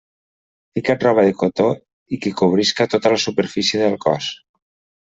Fica't roba de cotó i que cobrisca tota la superfície del cos.